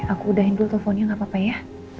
aku udahin dulu teleponnya gak apa apa ya